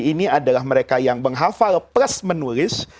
ini adalah mereka yang menghafal plus menulis